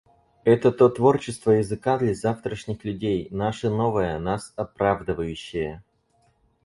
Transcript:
Это-то творчество языка для завтрашних людей — наше новое, нас оправдывающее.